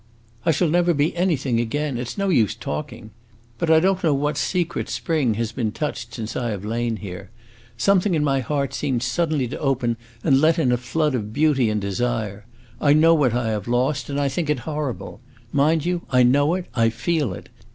"I shall never be anything again: it 's no use talking! But I don't know what secret spring has been touched since I have lain here. Something in my heart seemed suddenly to open and let in a flood of beauty and desire. I know what I have lost, and I think it horrible! Mind you, I know it, I feel it!